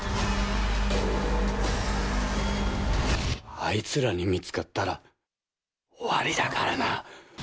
あいつらに見つかったら、終わりだからな。